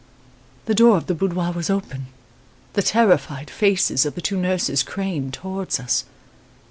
The door of the boudoir was open. The terrified faces of the two nurses craned towards us.